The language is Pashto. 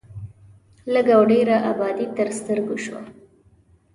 لږ او ډېره ابادي تر سترګو شوه.